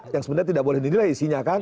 yang sebenarnya tidak boleh dinilai isinya kan